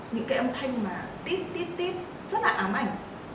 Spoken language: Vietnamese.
những cái âm thanh mà tiếp tiếp tiếp rất là ám ảnh